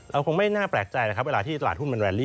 คงไม่น่าแปลกใจนะครับเวลาที่ตลาดหุ้นมันแลนลี่